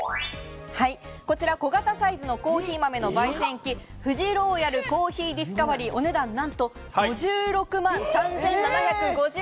こちら小型サイズのコーヒー豆の焙煎機、フジローヤルコーヒーディスカバリー、お値段、なんと５６万